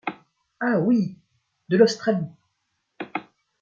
Ah ! oui ! de l’Australie !